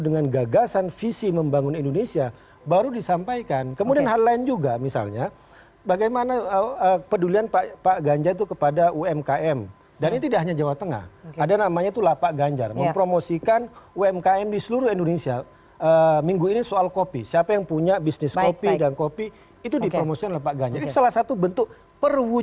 jangan kemarin malam bersama kami di political show